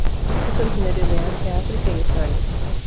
Es originario de Asia, África y Australia.